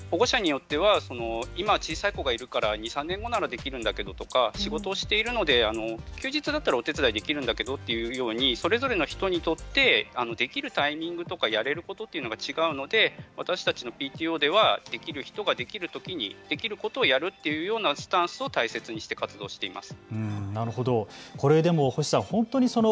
あと保護者によっては今小さい子がいるから２、３年年後ならできるんだけれどもとか、日頃仕事をしているので休日だったらお手伝いできるんだけどというようにそれぞれの人によってできるタイミングとかやれることというのが違うので私たちのＰＴＯではできる人ができるときに、できることをやるというようなスタンスを大切にして活動しています。